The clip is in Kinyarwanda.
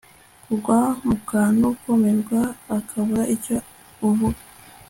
kugwa mu kantu kumirwa ukabura icyo uvuga